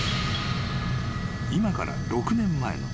［今から６年前の］